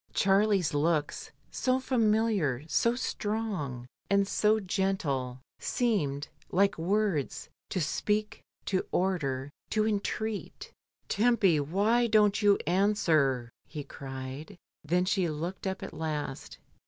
Charlie's looks, so familiar, so strong, and so gentle, seemed, like words, to speak, to order, to entreat "Tempy, why don't you answer?" he cried. Then she looked up at last.